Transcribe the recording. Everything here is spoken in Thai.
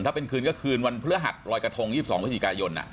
ถ้าเป็นคืนก็คืนวันพฤหัสรอยกระทง๒๒พฤศจิกายน